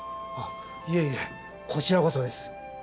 あっいえいえこちらこそです。